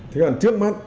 thế còn trước mắt